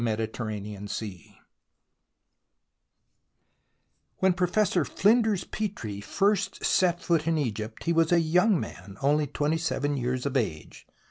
CHAPTER III WHEN Professor Flinders Petrie first set foot in Egypt he was a young man, only twenty seven years of age.